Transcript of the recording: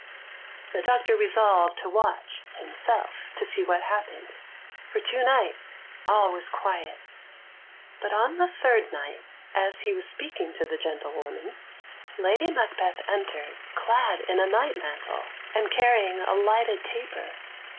The doctor resolved to watch, himself, to see what happened. For two nights all was quiet, but on the third night, as he was speaking to the gentlewoman, Lady Macbeth entered, clad in a night mantle, and carrying a lighted taper.